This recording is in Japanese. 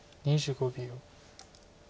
２５秒。